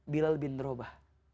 bilal bin robah